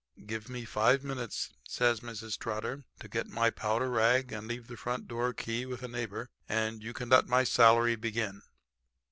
"'Give me five minutes,' says Mrs. Trotter, 'to get my powder rag and leave the front door key with a neighbor and you can let my salary begin.'